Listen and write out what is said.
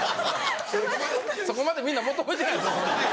そこまでみんな求めてない。